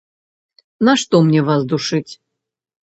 Нашто мне вас душыць?